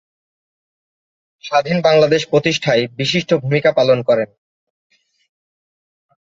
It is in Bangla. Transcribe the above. স্বাধীন বাংলাদেশ প্রতিষ্ঠায় বিশিষ্ট ভূমিকা পালন করেন।